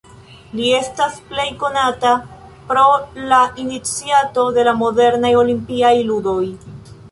Li estas plej konata pro la iniciato de la modernaj Olimpiaj ludoj.